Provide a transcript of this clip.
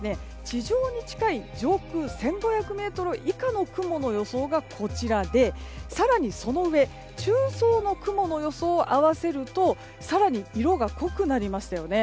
地上に近い上空１５００ｍ以下の雲の予想がこちらで更にその上中層の雲の予想を合わせると更に色が濃くなりましたよね。